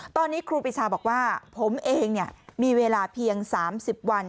ตอนนี้ครูปีชาบอกว่าผมเองมีเวลาเพียง๓๐วัน